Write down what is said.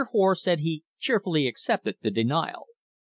Hoar said he "cheerfully accepted" the denial.